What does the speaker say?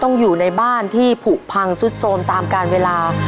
อยู่ในบ้านที่ผูกพังสุดโทรมตามการเวลา